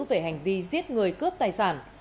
về hành vi giết người cướp tài sản